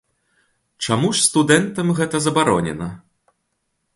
Чаму ж студэнтам гэта забаронена?